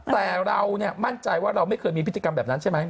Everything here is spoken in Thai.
แต่เรามั่นใจว่าเราไม่เคยมีพฤติกรรมแบบนั้นใช่ไหม